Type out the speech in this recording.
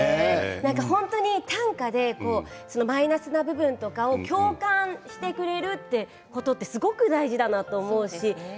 なんか本当に短歌でマイナスな部分とかを共感してくれるっていうことってすごく大事だなと思うし。